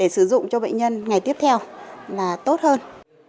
thuốc nhân ngày tiếp theo là tốt hơn